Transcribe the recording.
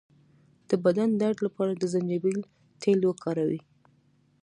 د بدن درد لپاره د زنجبیل تېل وکاروئ